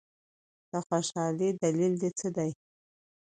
د خوشالۍ دلیل دي څه دی؟